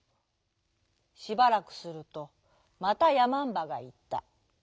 しばらくするとまたやまんばがいった。